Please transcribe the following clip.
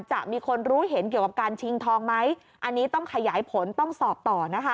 จะมีคนรู้เห็นเกี่ยวกับการชิงทองไหมอันนี้ต้องขยายผลต้องสอบต่อนะคะ